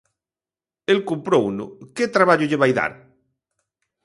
El comprouno, ¿que traballo lle vai dar?